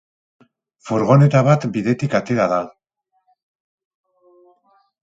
Furgoneta bat bidetik atera da.